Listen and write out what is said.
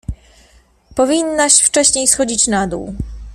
Powinnaś wcześniej schodzić na dół.